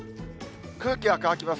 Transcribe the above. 空気は乾きます。